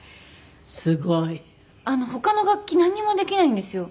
すごい。他の楽器なんにもできないんですよ。